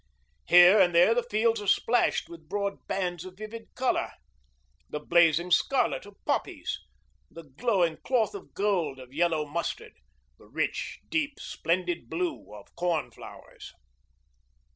Here and there the fields are splashed with broad bands of vivid colour the blazing scarlet of poppies, the glowing cloth of gold of yellow mustard, the rich, deep, splendid blue of corn flowers.